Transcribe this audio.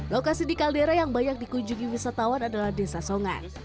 lokasi di kaldera yang banyak dikunjungi wisatawan adalah desa songan